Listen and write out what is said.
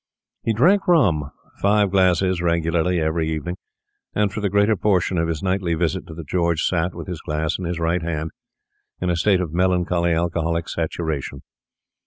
He drank rum—five glasses regularly every evening; and for the greater portion of his nightly visit to the George sat, with his glass in his right hand, in a state of melancholy alcoholic saturation.